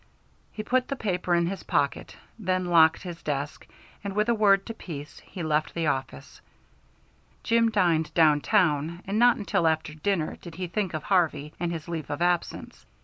He put the paper in his pocket, then locked his desk, and with a word to Pease he left the office. Jim dined down town, and not until after dinner did he think of Harvey and his leave of absence.